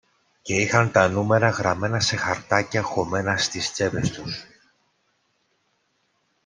και είχαν τα νούμερα γραμμένα σε χαρτάκια χωμένα στις τσέπες τους